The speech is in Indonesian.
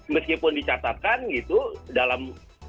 meskipun dicatatkan gitu dalam